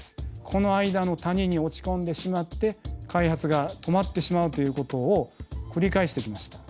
この間の谷に落ち込んでしまって開発が止まってしまうということを繰り返してきました。